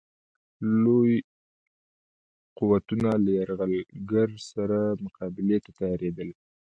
لوی قوتونه له یرغلګر سره مقابلې ته تیارېدل.